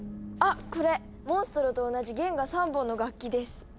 あっこれモンストロと同じ弦が３本の楽器です。